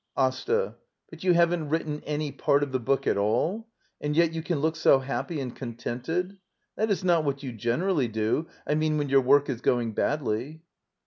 AsTA. But you haven't written any part of the /book at all? And yet you can look so happy and contented? That is not what you generally do — I mean when your work is going badly.